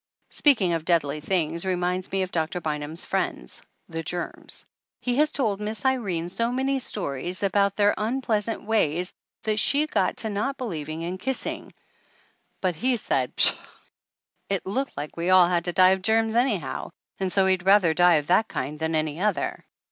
Speaking of deadly things reminds me of Doctor Bynum's friends, the germs. He has told Miss Irene so many stories about their un 271 THE ANNALS OF ANN pleasant ways that she got to not believing in kissing, but he said pshaw ! it looked like we all had to die of germs anyhow, and so he'd rather die of that kind than any other